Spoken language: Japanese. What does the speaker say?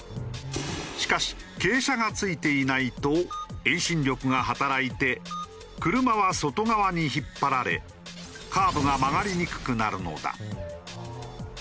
しかし傾斜がついていないと遠心力が働いて車は外側に引っ張られカーブが曲がりにくくなるのだ。